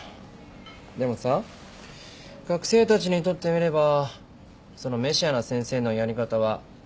でもさ学生たちにとってみればそのメシアな先生のやり方はありがたいと思うかもね。